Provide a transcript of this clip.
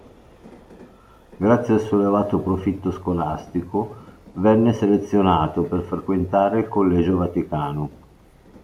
Grazie al suo elevato profitto scolastico, venne selezionato per frequentare il Collegio Vaticano.